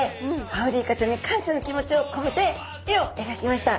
アオリイカちゃんに感謝の気持ちをこめて絵をえがきました。